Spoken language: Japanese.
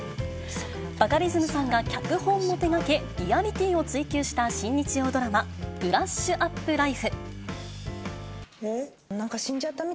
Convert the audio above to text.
バカリズムさんが脚本を手がけ、リアリティーを追求した新日曜ドラマ、ブラッシュアップライフ。